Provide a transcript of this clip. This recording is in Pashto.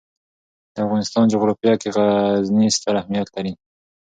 د افغانستان جغرافیه کې غزني ستر اهمیت لري.